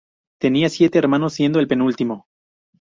Tenía siete hermanos siendo el penúltimo.